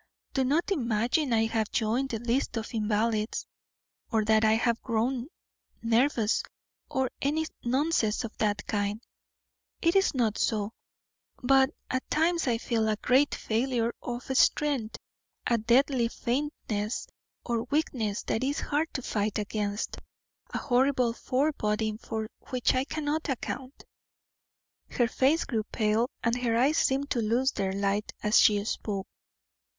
Do not imagine I have joined the list of invalids, or that I have grown nervous, or any nonsense of that kind: it is not so; but at times I feel a great failure of strength, a deadly faintness or weakness that is hard to fight against a horrible foreboding for which I cannot account." Her face grew pale, and her eyes seemed to lose their light as she spoke.